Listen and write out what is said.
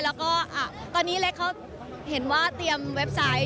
แล้วก็ตอนนี้เล็กเขาเห็นว่าเตรียมเว็บไซต์